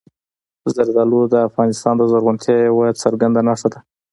زردالو د افغانستان د زرغونتیا یوه څرګنده نښه ده.